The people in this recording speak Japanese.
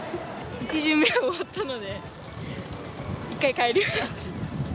１巡目は終わったので、１回、帰ります。